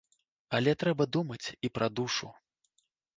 Але трэба думаць і пра душу.